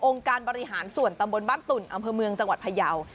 การบริหารส่วนตำบลบ้านตุ่นอำเภอเมืองจังหวัดพยาว